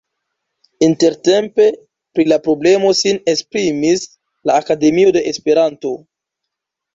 Intertempe pri la problemo sin esprimis la Akademio de Esperanto.